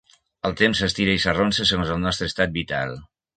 El temps s'estira i s'arronsa segons el nostre estat vital.